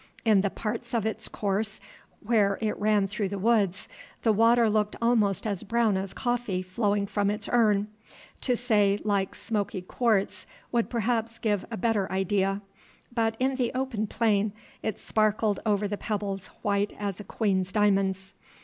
In the parts of its course where it ran through the woods, the water looked almost as brown as coffee flowing from its urn, to say like smoky quartz would perhaps give a better idea, but in the open plain it sparkled over the pebbles white as a queen's diamonds.